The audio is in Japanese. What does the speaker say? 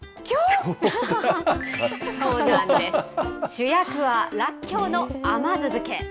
主役はらっきょうの甘酢漬け。